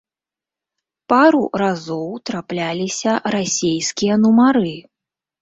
Пару разоў трапляліся расейскія нумары.